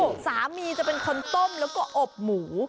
สามีจะเป็นคนต้มแล้วก็อบหมู